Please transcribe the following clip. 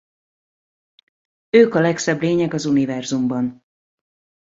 Ők a legszebb lények az univerzumban.